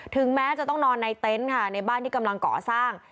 แม้จะต้องนอนในเต็นต์ค่ะในบ้านที่กำลังก่อสร้าง